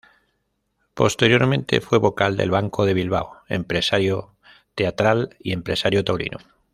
Posteriormente fue vocal del Banco de Bilbao, empresario teatral y empresario taurino.